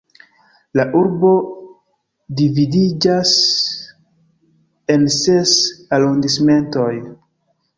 La urbo dividiĝas en ses arondismentoj.